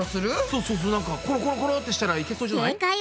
そうなんかコロコロコロってしたらいけそうじゃない？